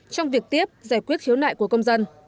trong việc tiếp giải quyết khiếu nại của công dân